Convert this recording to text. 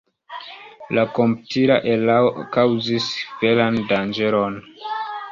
La komputila erao kaŭzis veran danĝeron.